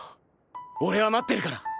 俺は待ってるから！